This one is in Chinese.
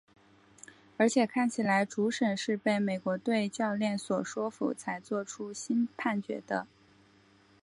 而且看起来主审是被美国队教练所说服才做出新判决的。